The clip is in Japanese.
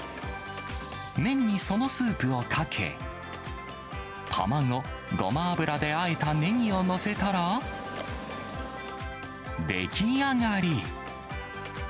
麺にそのスープをかけ、卵、ゴマ油であえたネギを載せたら、出来上がり。